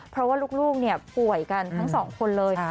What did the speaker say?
เพราะว่าลูกป่วยกันทั้งสองคนเลย